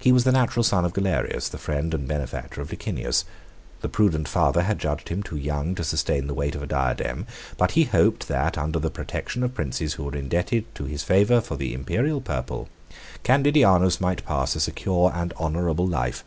He was the natural son of Galerius, the friend and benefactor of Licinius. The prudent father had judged him too young to sustain the weight of a diadem; but he hoped that, under the protection of princes who were indebted to his favor for the Imperial purple, Candidianus might pass a secure and honorable life.